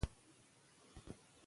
زه تل هڅه کوم، چي ښه درجه ترلاسه کم.